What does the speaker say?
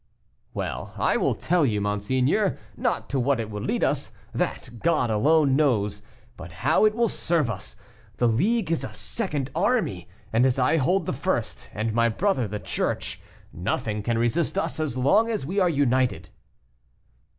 "Well, I will tell you, monseigneur, not to what it will lead us that God alone knows but how it will serve us. The League is a second army, and as I hold the first, and my brother the Church, nothing can resist us as long as we are united."